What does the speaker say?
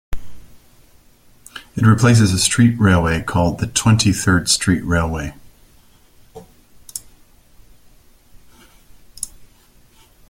It replaces a street railway called the Twenty-third Street Railway.